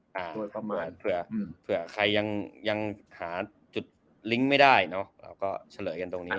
โดยประมาณเผื่อใครยังหาจุดลิงก์ไม่ได้เราก็เฉลยกันตรงนี้